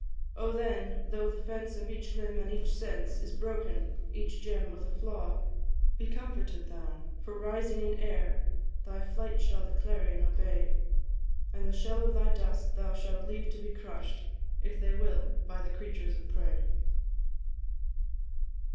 Oh, then, though the fence of each limb and each sense Is broken each gem with a flaw Be comforted thou! For rising in air Thy flight shall the clarion obey; And the shell of thy dust thou shalt leave to be crush'd, If they will, by the creatures of prey.